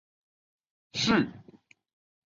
是晋煤外运的南通路之一。